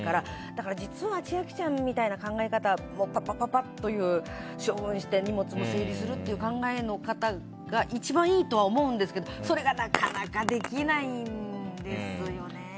だから千秋ちゃんみたいな考え方で処分して荷物も整理するって考えのほうが一番いいと思うんですけどそれがなかなかできないんですよね。